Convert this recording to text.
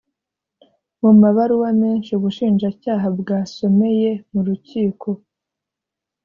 mu mabaruwa menshi ubushinjacyaha bwasomeye mu rukiko